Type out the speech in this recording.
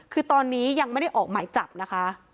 คือตอนนี้ยังไม่ได้ออกหมายจับนะคะ